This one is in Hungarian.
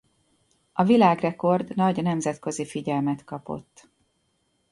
A világrekord nagy nemzetközi figyelmet kapott.